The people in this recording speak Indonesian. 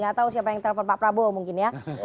gak tau siapa yang telpon pak prabowo mungkin ya